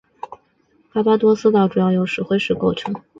巴巴多斯岛主要由石灰石构成。